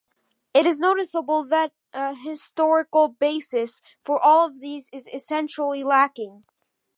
It is noticeable that a historical basis for all of these is essentially lacking.